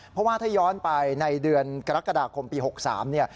เพราะว่าถ้าย้อนไปในเดือนกรกฎาคมปี๖๓เนี่ย